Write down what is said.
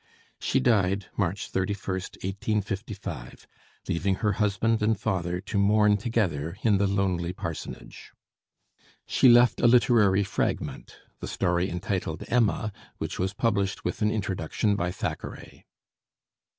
She died March 31st, 1855, leaving her husband and father to mourn together in the lonely parsonage. She left a literary fragment the story entitled 'Emma,' which was published with an introduction by Thackeray.